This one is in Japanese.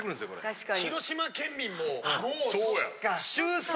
確かに！